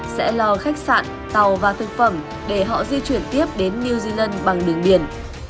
sẽ lo khách sạn tàu và thực phẩm để họ di chuyển tiếp đến new zealand bằng đường biển